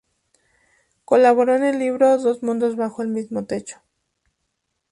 Colaboró en el libro" Dos mundos bajo el mismo techo.